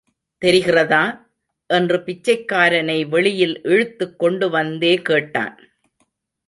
தெரிகிறதா? என்று பிச்சைக்காரனை வெளியில் இழுத்துக் கொண்டுவந்தே கேட்டான்.